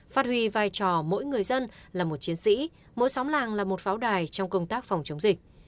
phát huy vai trò mỗi người dân là một chiến sĩ mỗi xóm làng là một pháo đài trong công tác phòng chống dịch